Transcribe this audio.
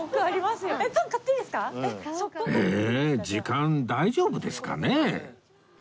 時間大丈夫ですかね？